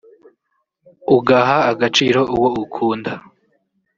ugaha agaciro uwo ukunda